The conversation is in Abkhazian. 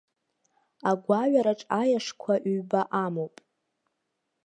Агәаҩараҿ аиашқәа ҩба амоуп.